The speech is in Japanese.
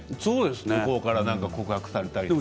向こうから告白されたりとか。